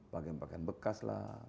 bagian bagian bekas lah